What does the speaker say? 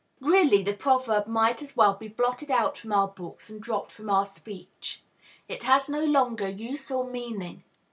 Really, the proverb might as well be blotted out from our books and dropped from our speech. It has no longer use or meaning.